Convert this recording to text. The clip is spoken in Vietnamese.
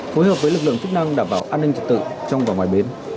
phối hợp với lực lượng chức năng đảm bảo an ninh trật tự trong và ngoài bến